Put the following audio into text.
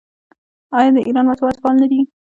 آیا د ایران مطبوعات فعال نه دي؟